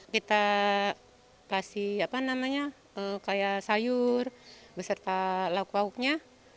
kita kasih kayak sayur beserta lauk lauknya